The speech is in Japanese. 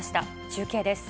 中継です。